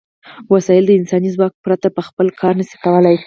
وسایل د انساني ځواک پرته په خپله کار نشي کولای.